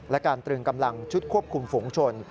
และการตรึงกำลังชุดควบคุมฝุงชน